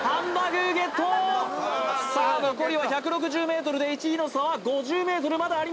具ーゲットさあ残りは１６０ｍで１位の差は５０ｍまだあります